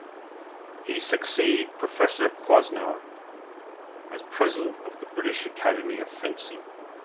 He succeeded Professor Crosnier as President of the British Academy of Fencing.